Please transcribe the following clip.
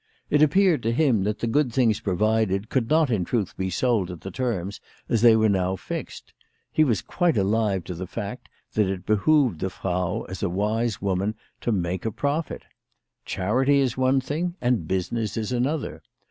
It appeared to him that the good things provided could not in truth be sold at the terms as they were now fixed. He was quite alive to the fact that it behoved the Frau as a wise woman to make a profit. Charity is one thing, and business is another.